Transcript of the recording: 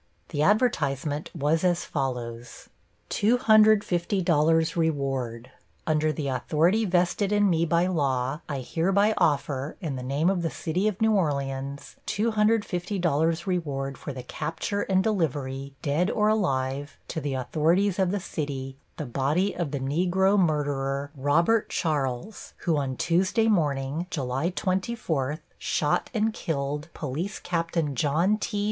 The advertisement was as follows: +$250 REWARD+ Under the authority vested in me by law, I hereby offer, in the name of the city of New Orleans, $250 reward for the capture and delivery, dead or alive, to the authorities of the city, the body of the Negro murderer, +ROBERT CHARLES+, who, on Tuesday morning, July 24, shot and killed Police Captain John T.